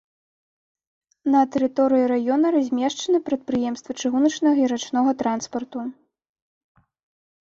На тэрыторыі раёна размешчаны прадпрыемствы чыгуначнага і рачнога транспарту.